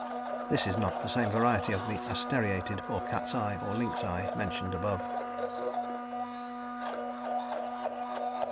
This is not the same variety as the "asteriated," or "cat's eye" or "lynx eye" mentioned above.